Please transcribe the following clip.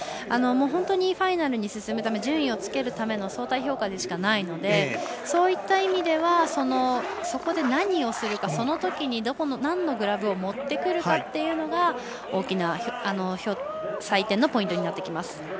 本当にファイナルに進むため順位をつけるための相対評価でしかないのでそういった意味ではそこで何をするかそのときに、なんのグラブを持ってくるかというのが大きな採点のポイントになってきます。